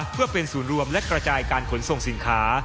เพื่อเป็นศูนย์รวมและกระจายการขนส่งสินค้า